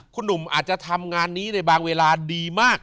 คุณหนุ่มอาจจะทำงานนี้ในบางเวลาดีมาก